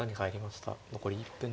残り１分です。